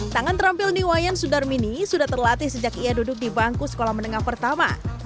tangan terampil niwayan sudarmini sudah terlatih sejak ia duduk di bangku sekolah menengah pertama